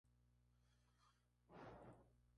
Fue capturada y escapó nuevamente, llegando hasta Venecia.